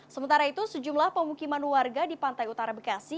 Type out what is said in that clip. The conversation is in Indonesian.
sementara itu sejumlah pemukiman warga di pantai utara bekasi